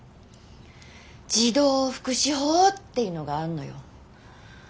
児童福祉法っていうのがあんのよ。